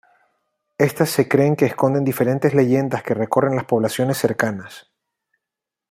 Estas se creen que esconden diferentes leyendas que recorren las poblaciones cercanas.